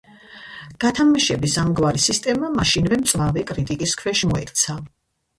გათამაშების ამგვარი სისტემა მაშინვე მწვავე კრიტიკის ქვეშ მოექცა.